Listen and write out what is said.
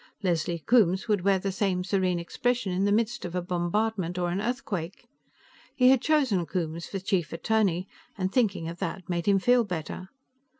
Leslie Coombes would wear the same serene expression in the midst of a bombardment or an earthquake. He had chosen Coombes for chief attorney, and thinking of that made him feel better.